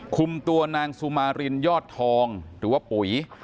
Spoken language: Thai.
คุมตัวนางสุมารินยอดทองหรือว่าปุ๋ย